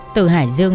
từ hải dương